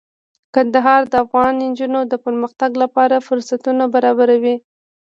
کندهار د افغان نجونو د پرمختګ لپاره فرصتونه برابروي.